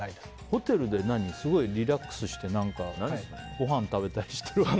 ホテルでリラックスしてごはん食べたりしてるわけでしょ。